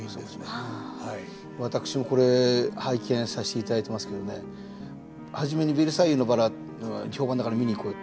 私もこれ拝見させていただいてますけどね初めに「ベルサイユのばら」評判だから見に行こうよって。